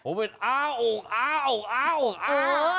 โอ้เป็นอ้าวโอ๊กอ้าวโอ๊กอ้าวโอ๊กอ้าว